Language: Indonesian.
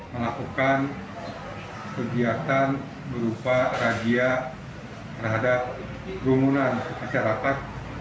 melakukan kegiatan berupa radia terhadap perumunan masyarakat